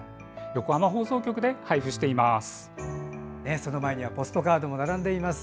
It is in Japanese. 横浜放送局で配布しています。